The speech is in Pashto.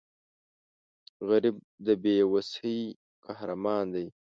غریب د بې وسۍ قهرمان دی